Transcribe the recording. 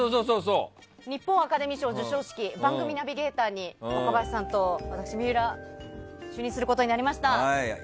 日本アカデミー賞授賞式番組ナビゲーターに若林さんと私、水卜が就任することになりました。